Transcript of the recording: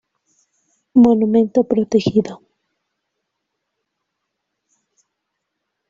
Monumento protegido.